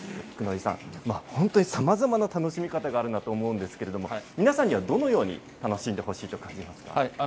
九里さん、本当にさまざまな楽しみ方があると思うんですけれども、皆さんにはどのように楽しんでほしいと感じますか？